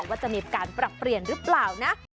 ว่าจะมีการปรับเปลี่ยนหรือเปล่านะ